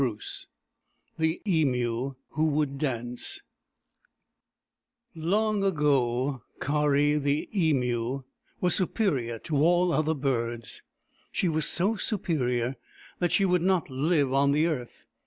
Ill THE EMU WHO WOULD DANCE LONG ago, Kari, the Emu, was superior to all other birds. She was so superior that she would not live on the earth.